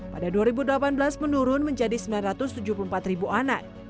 pada dua ribu delapan belas menurun menjadi sembilan ratus tujuh puluh empat ribu anak